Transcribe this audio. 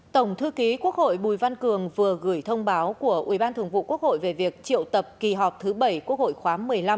tổng thư ký quốc hội bùi văn cường vừa gửi thông báo của ủy ban thường vụ quốc hội về việc triệu tập kỳ họp thứ bảy quốc hội khóa một mươi năm